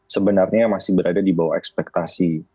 sebenarnya masih berada di bawah ekspektasi